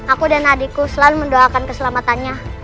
aku dan adikku selalu mendoakan keselamatannya